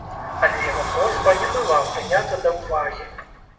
Але яго просьба не была прынята да ўвагі.